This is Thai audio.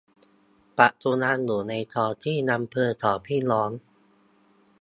ปัจจุบันอยู่ในท้องที่อำเภอสองพี่น้อง